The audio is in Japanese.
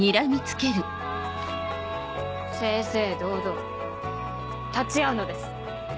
正々堂々立ち合うのです。